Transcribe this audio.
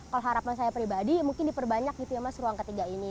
kalau harapan saya pribadi mungkin diperbanyak gitu ya mas ruang ketiga ini